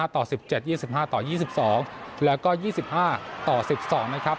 ต่อ๑๗๒๕ต่อ๒๒แล้วก็๒๕ต่อ๑๒นะครับ